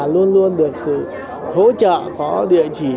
luôn luôn được sự hỗ trợ có địa chỉ